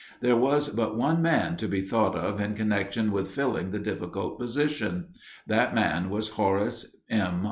There was but one man to be thought of in connection with filling the difficult position. That man was Horace M.